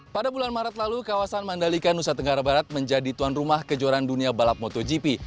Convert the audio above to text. pada bulan maret lalu kawasan mandalika nusa tenggara barat menjadi tuan rumah kejuaraan dunia balap motogp